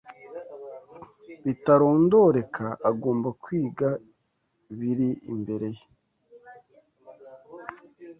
bitarondoreka agomba kwiga biri imbere ye.